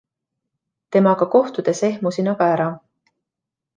Temaga kohtudes ehmusin aga ära.